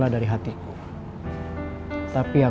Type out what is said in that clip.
oh iya baik baik